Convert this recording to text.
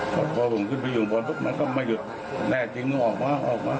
พอผมขึ้นไปอยู่บนปุ๊บมันก็ไม่หยุดแน่จริงต้องออกมาออกมา